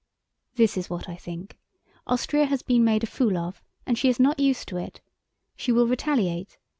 "This is what I think. Austria has been made a fool of, and she is not used to it. She will retaliate.